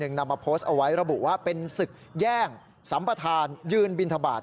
คุณพระคุณเจ้าการทำบุญก็แล้วแต่ผู้มีจิตศรัทธาสิ